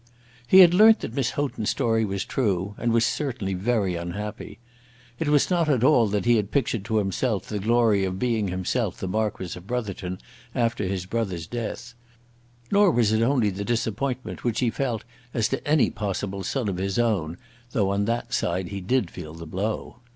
He had learnt that Miss Houghton's story was true, and was certainly very unhappy. It was not at all that he had pictured to himself the glory of being himself the Marquis of Brotherton after his brother's death; nor was it only the disappointment which he felt as to any possible son of his own, though on that side he did feel the blow.